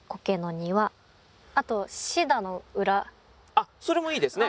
あっそれもいいですね。